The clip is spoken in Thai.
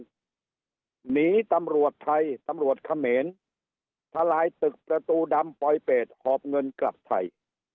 หนีตำรวจไทยตำรวจเขมรทลายตึกประตูดำปลอยเป็ดหอบเงินกลับไทย